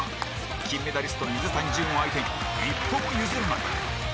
金メダリスト水谷隼を相手に一歩も譲らない